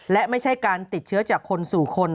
และไม่ใช่การติดเชื้อจากคนสู่คน